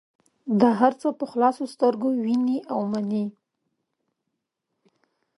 دا هر څه په خلاصو سترګو وینې او مني.